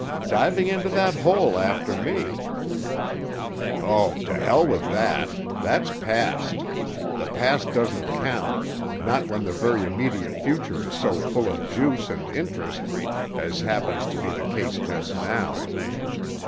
"Diving into that hole after me." "Oh, to —— with that! That's past. The past doesn't count—not when the very immediate future is so full of juice and interest as happens to be the case just now.